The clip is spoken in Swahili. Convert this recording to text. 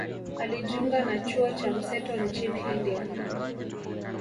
Alijiunga na chuo cha mseto nchini India